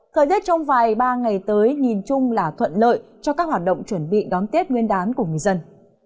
thời tiết trong vài ba ngày tới nhìn chung là thuận lợi cho các hoạt động chuẩn bị đón tết nguyên đán của người dân